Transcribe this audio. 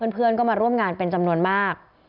เพื่อนก็มาร่วมงานเป็นจำนวนมาก